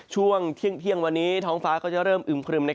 ช่วงเที่ยงวันนี้ท้องฟ้าก็จะเริ่มอึมครึม